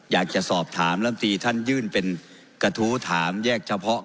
อยากจะสอบถามลำตีท่านยื่นเป็นกระทู้ถามแยกเฉพาะ